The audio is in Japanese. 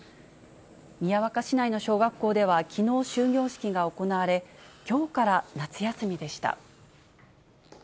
宮若市内の小学校では、きのう終業式が行われ、きょうから夏休みでした。